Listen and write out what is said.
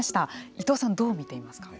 伊藤さん、どう見ていますか。